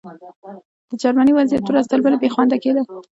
د جرمني وضعیت ورځ تر بلې بې خونده کېده